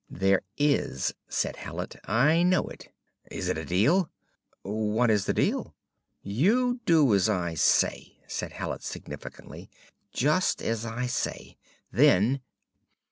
"There is," said Hallet. "I know it. Is it a deal?" "What is the deal?" "You do as I say," said Hallet significantly. "Just as I say! Then